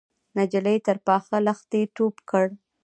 نجلۍ تر پاخه لښتي ټوپ کړ.